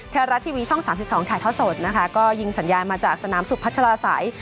ทีรัฐทีวีช่อง๓๒ถ่ายท้อสดนะคะก็ยิงสัญญาณมาจากสนามศุกร์พัชราไสต์